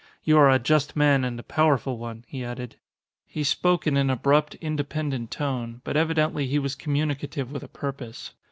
You are a just man and a powerful one," he added. He spoke in an abrupt, independent tone, but evidently he was communicative with a purpose.